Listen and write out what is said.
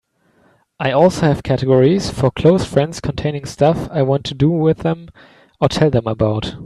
I also have categories for close friends containing stuff I want to do with them or tell them about.